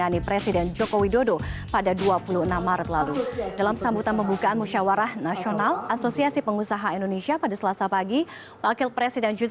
kementerian tenaga kerja asing mencapai satu ratus dua puluh enam orang